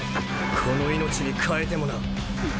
この命に代えてもな！